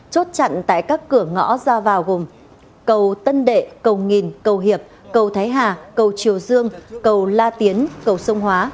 chốt chặn tại các cửa ngõ ra vào gồm cầu tân đệ cầu nghìn cầu hiệp cầu thái hà cầu triều dương cầu la tiến cầu sông hóa